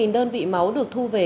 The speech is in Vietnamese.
tám mươi năm đơn vị máu được thu về